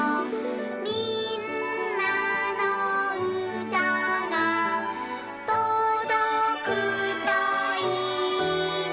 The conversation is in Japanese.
「みんなのうたがとどくといいな」